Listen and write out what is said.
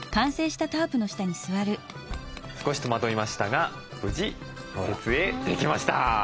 少し戸惑いましたが無事設営できました。